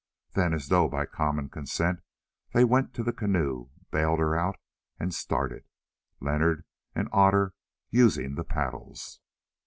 Then, as though by common consent, they went to the canoe, bailed her out, and started, Leonard and Otter using the paddles.